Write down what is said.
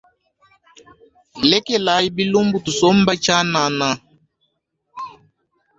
Lekelayi bilumbu tusombe tshianana.